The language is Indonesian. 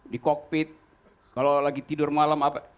di kokpit kalau lagi tidur malam apa